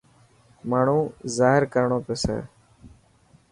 ماڻهو زاهر ڪرڻو پيسي.